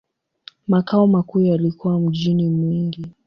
Makao makuu yalikuwa mjini Mwingi.